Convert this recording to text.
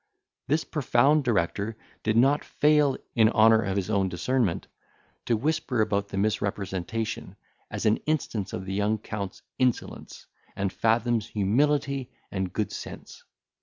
This profound director did not fail, in honour of his own discernment, to whisper about the misrepresentation, as an instance of the young Count's insolence, and Fathom's humility and good sense.